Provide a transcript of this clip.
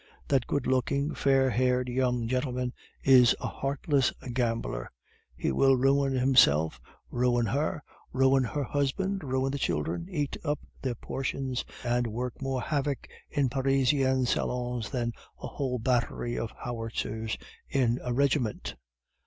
That good looking, fair haired young gentleman is a heartless gambler; he will ruin himself, ruin her, ruin her husband, ruin the children, eat up their portions, and work more havoc in Parisian salons than a whole battery of howitzers in a regiment.